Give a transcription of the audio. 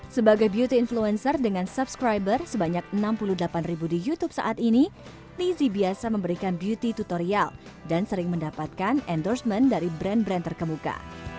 sebagai beauty influencer dengan subscriber sebanyak enam puluh delapan ribu di youtube saat ini livi biasa memberikan beauty tutorial dan sering mendapatkan endorsement dari brand brand terkemuka